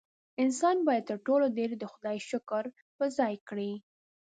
انسان باید تر ټولو ډېر د خدای شکر په ځای کړي.